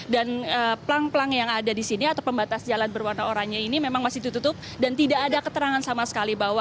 dan pelang pelang yang ada di sini atau pembatas jalan berwarna oranye ini memang masih ditutup dan tidak ada keterangan sama sekali bahwa